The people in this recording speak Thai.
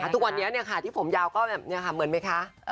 ทุกวันนี้ที่ผมยาวก็แบบนี้ค่ะเหมือนไหมคะ